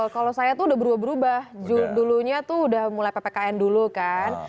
kalau saya itu udah berubah berubah dulunya itu udah mulai ppkn dulu kan